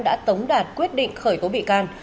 đã tống đạt quyết định khởi tố bị can